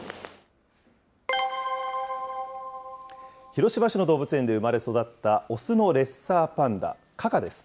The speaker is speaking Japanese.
広島市の動物園で生まれ育った雄のレッサーパンダ、カカです。